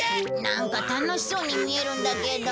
なんか楽しそうに見えるんだけど。